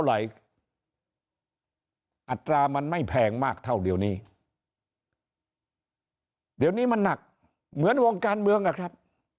อัตรามันไม่แพงมากเท่าเดียวนี้เดี๋ยวนี้มันหนักเหมือนวงการเมืองอะครับ